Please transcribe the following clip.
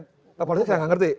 sekarang politik saya enggak ngerti